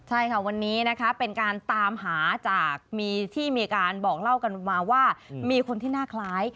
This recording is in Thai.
ใช่ค่ะวันนี้นะคะเป็นการตามหาจากมีที่มีการบอกเล่ากันมาว่ามีคนที่หน้าคล้าย